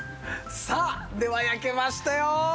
さあでは焼けましたよ！